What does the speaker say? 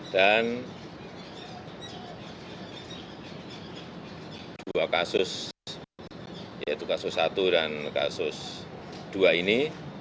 dan dua kasus yaitu kasus satu dan kasus dua ini